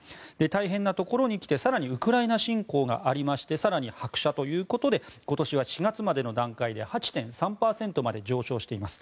大変なところにきて更にウクライナ侵攻がありまして更に拍車ということで今年は４月までの段階で８．３％まで上昇しています。